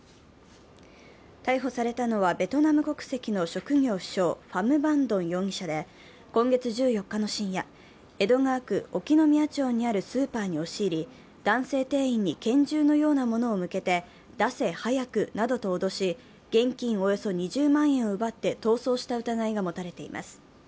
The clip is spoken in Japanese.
逮捕されたのはベトナム国籍の職業不詳、ファム・バン・ドン容疑者で今月１４日の深夜、江戸川区興宮町にあるスーパーに押し入り、男性店員に拳銃のようなものを向けて出せ、早くなどと脅し、現金およそ２０万円を奪って逃走した疑いが持たれています。